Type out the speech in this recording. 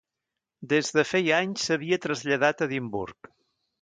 Des de feia anys s'havia traslladat a Edimburg.